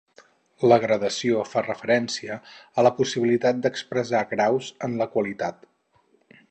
La gradació fa referència a la possibilitat d'expressar graus en la qualitat.